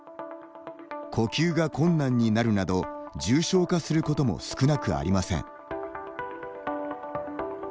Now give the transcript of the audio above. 呼吸が困難になるなど重症化することも少なくありません。